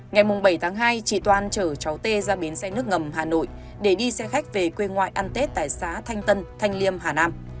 ngày bảy tháng hai chị toan chở cháu tê ra bến xe nước ngầm hà nội để đi xe khách về quê ngoại ăn tết tại xá thanh tân thanh liêm hà nam